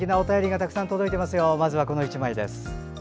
まずはこの１枚です。